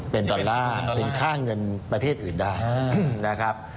เป็นดอลลาร์เป็นค่าเงินประเทศอื่นได้นะครับ